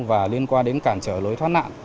và liên quan đến cản trở lối thoát nạn